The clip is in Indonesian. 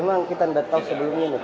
memang kita tidak tahu sebelumnya ini